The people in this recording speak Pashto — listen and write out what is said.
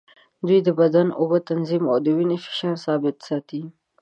دوی د بدن اوبه تنظیم او د وینې فشار ثابت ساتي.